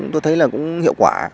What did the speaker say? tôi thấy là cũng hiệu quả